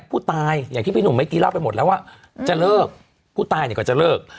ผู้ตายอย่างที่พี่หนุ่มเมื่อกี้เล่าไปหมดแล้วว่าจะเลิกผู้ตายเนี่ยก็จะเลิก